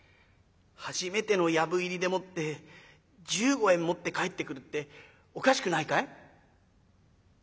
初めての藪入りでもって１５円持って帰ってくるっておかしくないかい？」。